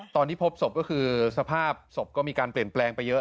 ตอนที่พบศพก็คือสภาพศพก็มีการเปลี่ยนแปลงไปเยอะ